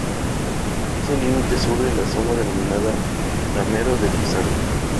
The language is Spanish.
Es el límite sur de la zona denominada Damero de Pizarro.